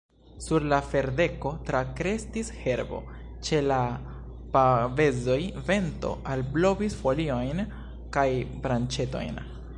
Sur la ferdeko trakreskis herbo; ĉe la pavezoj vento alblovis foliojn kaj branĉetojn.